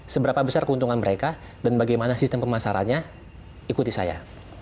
seberapa besar keuntungan mereka dan bagaimana sistem pemasarannya ikuti saya